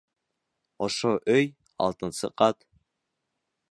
Ошо өй, алтынсы ҡат.